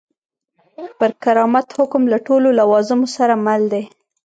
پر کرامت حکم له ټولو لوازمو سره مل دی.